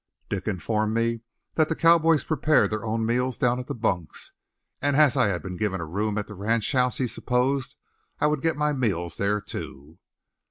Dick informed me that the cowboys prepared their own meals down at the bunks; and as I had been given a room at the ranch house he supposed I would get my meals there, too.